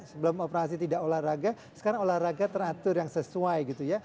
sebelum operasi tidak olahraga sekarang olahraga teratur yang sesuai gitu ya